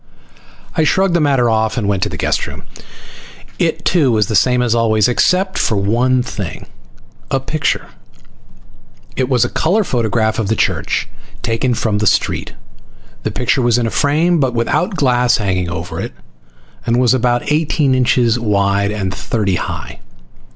I shrugged the matter off and went to the guest room. It too was the same as always, except for one thing. A picture. It was a color photograph of the church, taken from the street. The picture was in a frame, but without glass over it, and was about eighteen inches wide and thirty high.